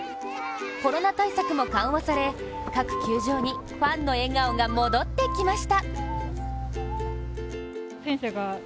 コロナ対策も緩和され、各球場にファンの笑顔が戻ってきました。